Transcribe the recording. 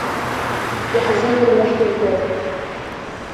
Иаҳзымдыруа ҳирдырп.